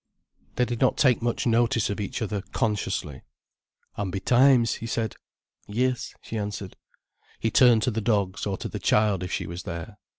They did not take much notice of each other, consciously. "I'm betimes," he said. "Yes," she answered. He turned to the dogs, or to the child if she was there.